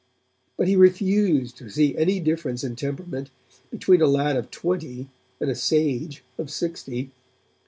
But he refused to see any difference in temperament between a lad of twenty and a sage of sixty.